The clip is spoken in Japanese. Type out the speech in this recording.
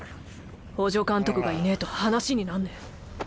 補助監督がいねぇと話になんねぇ。